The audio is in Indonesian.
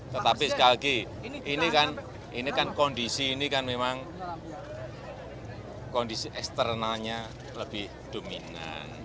tetapi sekali lagi ini kan kondisi ini kan memang kondisi eksternalnya lebih dominan